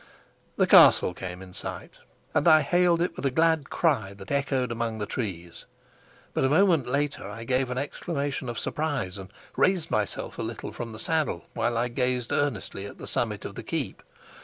The castle came in sight, and I hailed it with a glad cry that echoed among the trees. But a moment later I gave an exclamation of surprise, and raised myself a little from the saddle while I gazed earnestly at the summit of the keep.